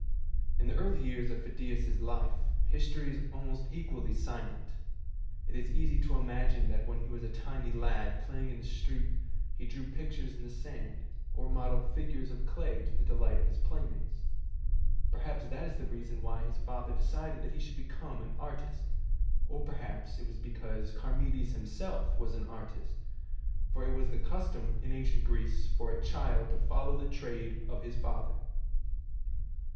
Of the early years of Phidias 's life, history is almost equally silent. It is easy to imagine that when he was a tiny lad, playing in the street, he drew pictures in the sand, or modelled figures of clay to the delight of his playmates. Perhaps that is the reason why his father decided that he should become an artist, or perhaps it was be cause Charmides himself was an artist, for it was the custom in ancient Greece for a child to follow the trade of his father.